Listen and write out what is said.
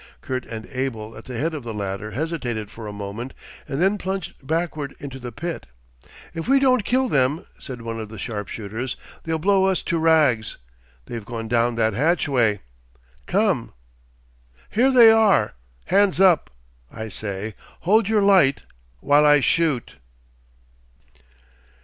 Kurt and Abel at the head of the ladder hesitated for a moment, and then plunged backward into the pit. 'If we don't kill them,' said one of the sharpshooters, 'they'll blow us to rags. They've gone down that hatchway. Come! ... 'Here they are. Hands up! I say. Hold your light while I shoot....